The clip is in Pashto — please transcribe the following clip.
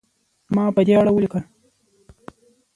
ما په دې اړه ولیکل.